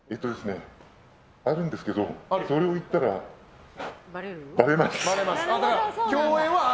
あるんですけどそれを言ったらバレます。